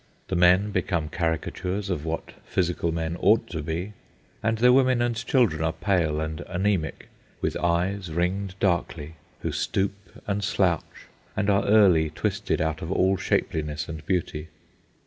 The men become caricatures of what physical men ought to be, and their women and children are pale and anæmic, with eyes ringed darkly, who stoop and slouch, and are early twisted out of all shapeliness and beauty.